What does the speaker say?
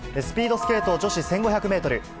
スピードスケート女子１５００メートル。